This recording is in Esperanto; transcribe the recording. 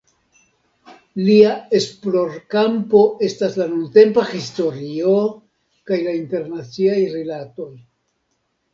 Lia esplorkampo estas la nuntempa historio kaj la internaciaj rilatoj.